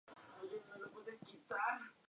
Fue miembro de la Academia de Ciencias.